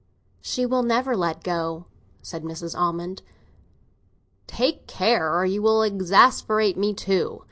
"She will never let go," said Mrs. Almond. "Take care, or you will exasperate me too.